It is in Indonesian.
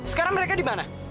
sekarang mereka dimana